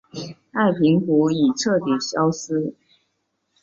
太平湖已彻底消失。